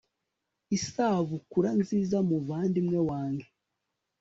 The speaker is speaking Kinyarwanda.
isubukura nziza muvandimwe wange